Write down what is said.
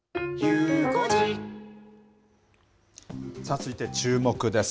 続いてチューモク！です。